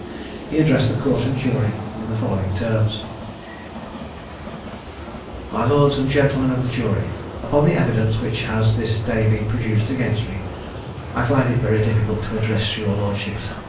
He addressed the Court and jury in the following terms: "My lords and gentlemen of the jury, Upon the evidence which has this day been produced against me, I find it very difficult to address your lordships.